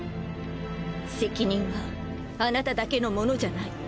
責任はあなただけのものじゃない。